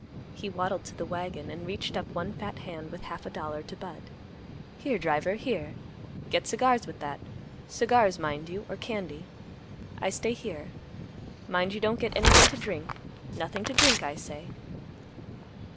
He waddled to the wagon, and reached up one fat hand with a half dollar to Budd, "Here, driver, here. Get cigars with that; cigars, mind you, or candy. I stay here. Mind you don't get anything to drink; nothing to drink, I say."